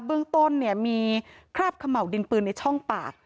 เบื้องต้นมีคราบขะเหมาดินปืนในช่องปาก